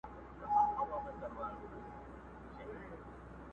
چي کله به کړي بنده کورونا په کرنتین کي،